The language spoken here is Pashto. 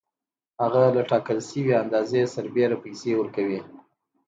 هغه له ټاکل شوې اندازې سربېره پیسې ورکوي